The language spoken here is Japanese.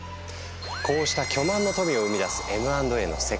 こうした巨万の富を生み出すＭ＆Ａの世界。